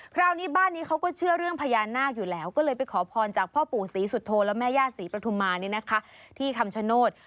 คราวนี้บ้านนี้เขาก็เชื่อเรื่องพญานาคอยู่แล้วก็เลยไปขอพรจากพ่อปู่ศรีสุโธและแม่ย่าศรีปฐุมานี่นะคะที่คำชโนธ